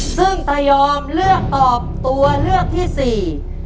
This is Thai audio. ซึ่งตายอมเลือกตอบตัวเลือกที่สี่